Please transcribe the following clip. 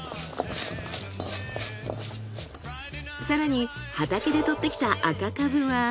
更に畑で採ってきた赤カブは。